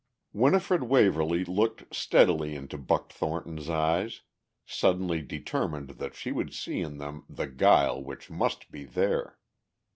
Winifred Waverly looked steadily into Buck Thornton's eyes, suddenly determined that she would see in them the guile which must be there.